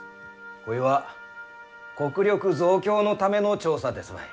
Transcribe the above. こいは国力増強のための調査ですばい。